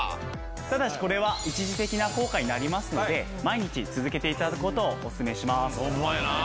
ただしこれは一時的な効果になりますので毎日続けて頂く事をおすすめします。